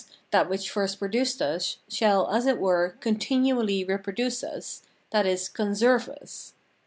that which first produced us, shall, as it were, continually reproduce us, that is, conserve us.